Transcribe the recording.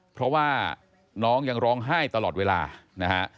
เพราะว่าน้องยังร้องไห้ตลอดเวลานะฮะ